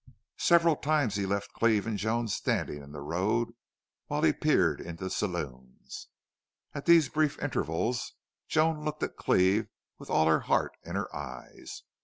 Several times he left Cleve and Joan standing in the road while he peered into saloons. At these brief intervals Joan looked at Cleve with all her heart in her eyes.